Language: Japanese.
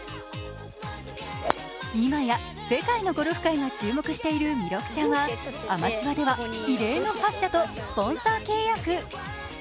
今や世界のゴルフ界が注目している弥勒ちゃんはアマチュアでは異例の８社とスポンサー契約。